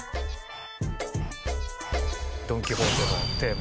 『ドン・キホーテのテーマ』